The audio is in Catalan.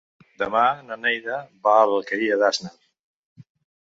Demà na Neida va a l'Alqueria d'Asnar.